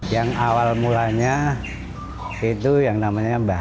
yang awal mulanya itu yang namanya menumbuk